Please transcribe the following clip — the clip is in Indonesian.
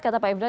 kata pak ifdal